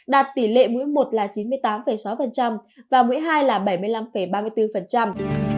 đạt tỷ lệ mũi một là chín mươi tám sáu và mũi hai là bảy mươi năm ba mươi bốn